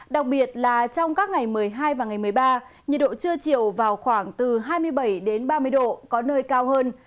đặc biệt là trong các ngày một mươi hai và ngày một mươi ba nhiệt độ trưa chiều vào khoảng từ hai mươi bảy ba mươi độ có nơi cao hơn